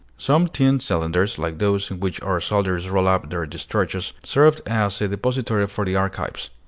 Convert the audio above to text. Some tin cylinders, like those in which our soldiers roll up their discharges, served as a depository for the archives.